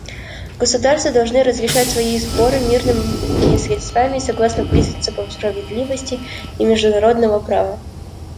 Государства должны разрешать свои споры мирными средствами и согласно принципам справедливости и международного права.